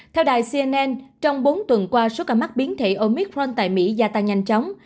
theo đài cnn trong bốn tuần qua số ca mắc biến thể omitforn tại mỹ gia tăng nhanh chóng